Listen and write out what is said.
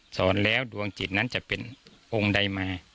สอนแล้วดวงจิตนั้นจะเป็นองค์ใดมา